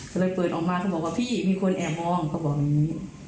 ก็เลยเปิดออกมาก็บอกว่าพี่มีคนแอบมองเขาบอกอย่างนี้